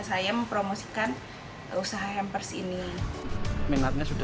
saya mempromosikan usaha hampers ini